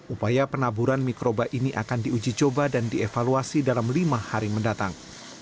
upaya penaburan mikroba ini akan diuji coba dan dievaluasi dalam lima hari mendatang